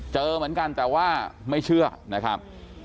เจอเหมือนกันแต่ว่าไม่เชื่อนะครับ